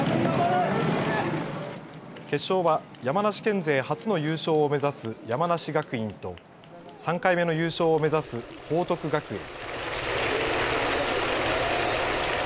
決勝は山梨県勢初の優勝を目指す山梨学院と３回目の優勝を目指す報徳学園。